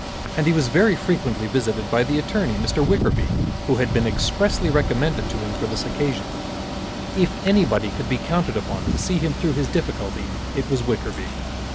And he was very frequently visited by the attorney, Mr. Wickerby, who had been expressly recommended to him for this occasion. If anybody could be counted upon to see him through his difficulty it was Wickerby.